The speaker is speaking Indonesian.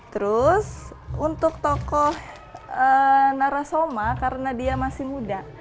terus untuk tokoh narasoma karena dia masih muda